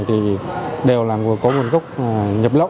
thì đều là người có nguồn cốc nhập lõng